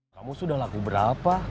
kamu sudah laku berapa